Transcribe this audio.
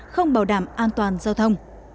không bảo đảm an toàn giao thông